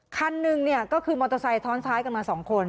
คันหนึ่งเนี่ยก็คือมอเตอร์ไซค์ท้อนท้ายกันมา๒คน